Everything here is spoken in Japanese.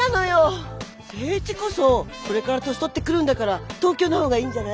誠一こそこれから年取ってくるんだから東京の方がいいんじゃない？